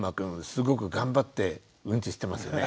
すごく頑張ってウンチしてますよね。